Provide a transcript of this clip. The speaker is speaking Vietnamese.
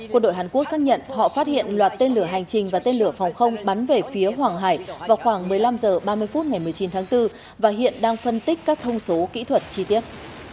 quân đội hàn quốc xác nhận họ phát hiện loạt tên lửa hành trình và tên lửa phòng không bắn về phía hoàng hải vào khoảng một mươi năm h ba mươi phút ngày một mươi chín tháng bốn và hiện đang phân tích các thông số kỹ thuật chi tiết